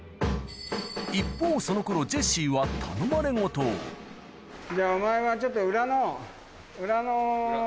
一方その頃頼まれ事をじゃあお前はちょっと裏の裏の。